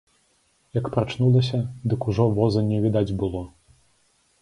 Як прачнулася, дык ужо воза не відаць было.